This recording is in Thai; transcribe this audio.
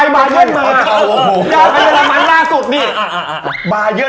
อย่าไปดูมียู